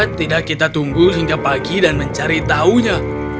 tidak kita tunggu hingga pagi dan mencari tahunya